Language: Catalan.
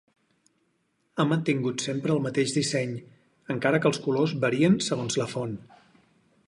Ha mantingut sempre el mateix disseny, encara que els colors varien segons la font.